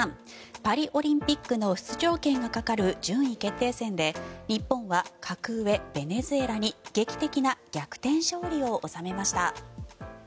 パリオリンピックの出場権がかかる順位決定戦で日本は格上ベネズエラに劇的な逆転勝利を収めました。